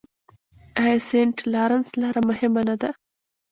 آیا سینټ لارنس لاره مهمه نه ده؟